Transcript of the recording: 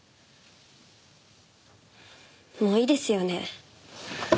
もういいですよね？